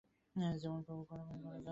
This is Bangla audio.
যেমন প্রভু করাবেন করে যেও।